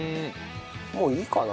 もういいかな？